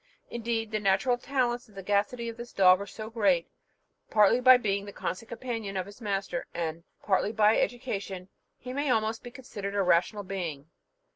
Indeed the natural talents and sagacity of this dog are so great, partly by being the constant companion of his master, and partly by education, that he may almost be considered a rational being.